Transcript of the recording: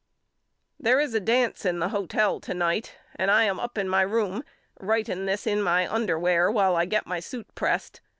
There is a dance in the hotel to night and I am up in my room writing this in my underwear while I get my suit pressed.